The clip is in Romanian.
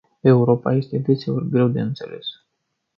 Europa este deseori greu de înțeles.